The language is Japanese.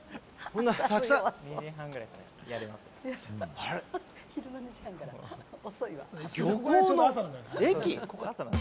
あれ、漁港の駅？